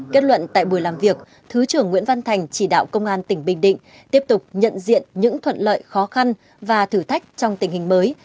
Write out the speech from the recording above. kết luận tại buổi làm việc thứ trưởng nguyễn văn thành chỉ đạo công an tỉnh bình định tiếp tục nhận diện những thuận lợi khó khăn và thử thách trong tình hình mới